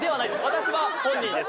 私は本人です。